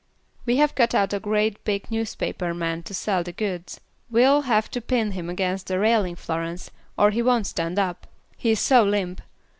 We have cut out a great big newspaper man to sell the goods. We'll have to pin him against the railing, Florence, or he won't stand up, he is so limp.